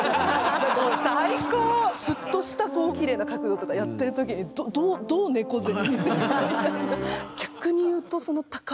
スッとしたきれいな角度とかやってる時にどどうどう猫背に。